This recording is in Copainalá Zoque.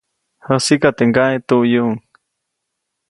Jäsiʼka, teʼ ŋgaʼe tuʼyuʼuŋ.